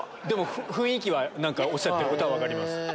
でも雰囲気はおっしゃってることは分かります。